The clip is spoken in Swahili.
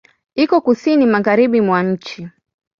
Iko Kusini magharibi mwa nchi.